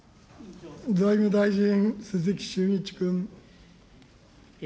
財務大臣、鈴木俊一君。